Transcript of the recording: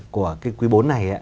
của cái quý bốn này